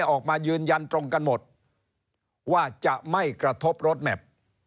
ออกมายืนยันตรงกันหมดว่าจะไม่กระทบรถแมพ